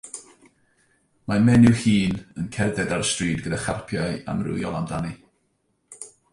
Mae menyw hŷn yn cerdded ar y stryd gyda charpiau amrywiol amdani.